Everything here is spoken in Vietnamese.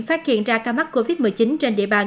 phát hiện ra ca mắc covid một mươi chín trên địa bàn